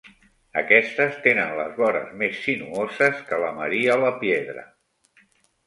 Aquestes tenen les vores més sinuoses que la Maria Lapiedra.